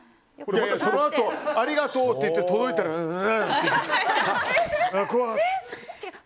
そのあとありがとうって言って届いたら、うわっ怖って。